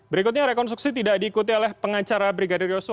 ternyata rekonstruksi tidak diikuti oleh pengacara brigadir yoso